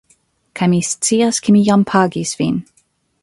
Kaj mi scias ke mi jam pagis vin